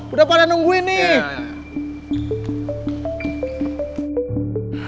udah pada nungguin nih